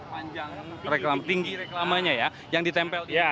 panjang reklama tinggi reklamanya ya yang ditempel itu